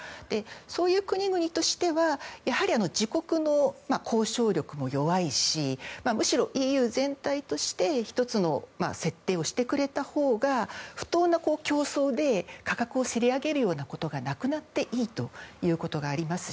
そういう国々としてはやはり自国の交渉力も弱いしむしろＥＵ全体として１つの設定をしてくれたほうが不当な競争で価格をせり上げるようなことがなくなっていいということがあります